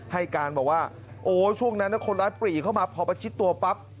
ให้การบอกว่าโอ้ช่วงนั้นคนร้ายปรีเข้ามาพอประชิดตัวปั๊บ